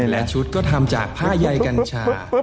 หลายชุดก็ทำจากผ้าใยกัญชา